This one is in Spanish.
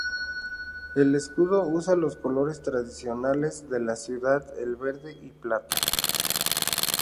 El escudo usa los colores tradicionales de la ciudad, el verde y plata.